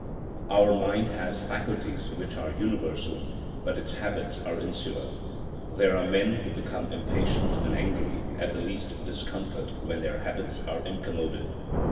Our mind has faculties which are universal, but its habits are insular. There are men who become impatient and angry at the least discomfort when their habits are incommoded.